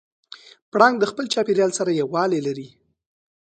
پړانګ د خپل چاپېریال سره یووالی لري.